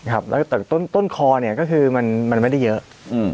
ครับแล้วแต่ต้นคอเนี่ยก็คือมันไม่ได้เยอะ